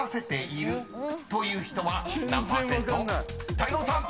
［泰造さん］